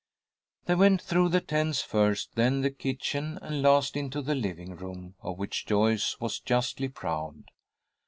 They went through the tents first, then the kitchen, and last into the living room, of which Joyce was justly proud.